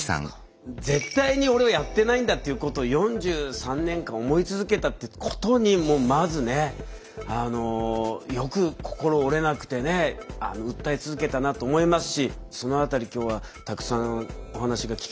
絶対に俺はやってないんだっていうことを４３年間思い続けたってことにもうまずねよく心折れなくてね訴え続けたなと思いますしその辺り今日はたくさんお話が聞けたらなと思います。